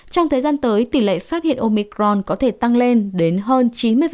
trong thời gian tới tỷ lệ phát hiện omicron có thể tăng lên đến hơn chín mươi